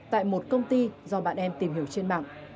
tại một công ty do bạn em tìm hiểu trên mạng